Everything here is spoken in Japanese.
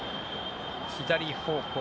左方向